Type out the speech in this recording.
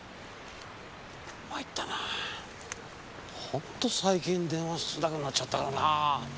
ホント最近電話少なくなっちゃったからなぁ。